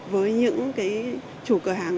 với những cái chủ cửa hàng